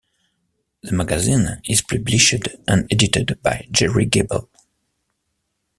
The magazine is published and edited by Gerry Gable.